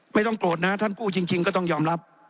ไม่ต้องโกรธนะท่านกู้จริงก็ต้องยอมรับ